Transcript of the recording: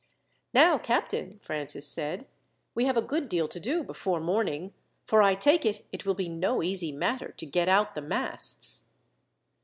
"Now, captain," Francis said, "we have a good deal to do before morning, for I take it it will be no easy matter to get out the masts."